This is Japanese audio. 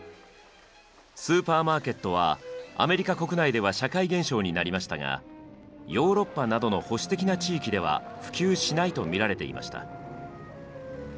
スーパーマーケットはアメリカ国内では社会現象になりましたがヨーロッパなどの保守的な地域では普及しないと見られていました。